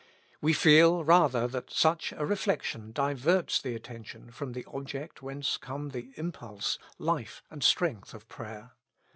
We feel rather that such a reflection diverts the attention from the Object whence come the impulse, life and strength of prayer.